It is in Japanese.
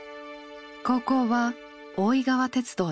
高校は大井川鉄道で通学。